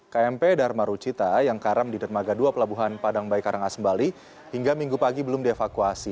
kmp dharma rucita yang karam di denmaga ii pelabuhan padangbaikarang asembali hingga minggu pagi belum dievakuasi